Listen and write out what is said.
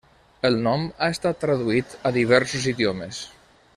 El nom ha estat traduït a diversos idiomes.